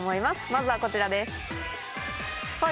まずはこちらです。